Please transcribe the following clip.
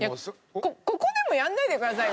いやここでもやんないでくださいよ